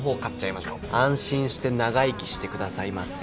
安心して長生きしてくださいませ。